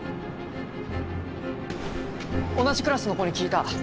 同じクラスの子に聞いた。